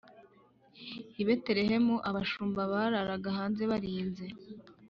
I betelehemu abashumba bararaga hanze barinze